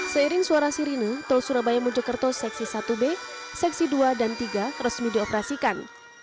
seiring suara sirine tol surabaya mojokerto seksi satu b seksi dua dan tiga resmi dioperasikan